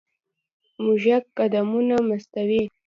موزیک قدمونه مستوي.